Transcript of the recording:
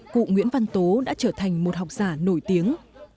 cụ nguyễn văn tố đã trở thành một học giả nổi tiếng